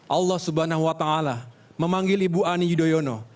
allah swt memanggil ibu ani yudhoyono